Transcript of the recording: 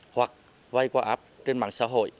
hoặc vay qua áp trên mạng